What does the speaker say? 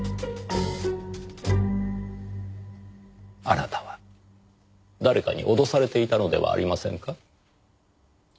あなたは誰かに脅されていたのではありませんか？